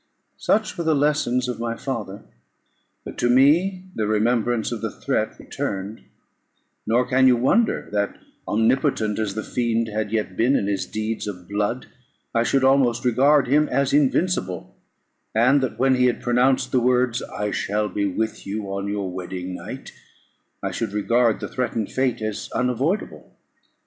Such were the lessons of my father. But to me the remembrance of the threat returned: nor can you wonder, that, omnipotent as the fiend had yet been in his deeds of blood, I should almost regard him as invincible; and that when he had pronounced the words, "I shall be with you on your wedding night," I should regard the threatened fate as unavoidable.